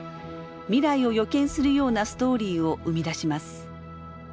未来を予見するようなストーリーを生み出します。